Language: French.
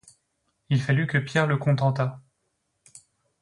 Il fallut que Pierre le contentât.